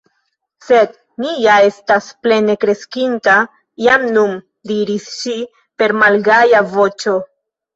« Sed mi ja estas plene kreskinta jam nun" diris ŝi per malgaja voĉo.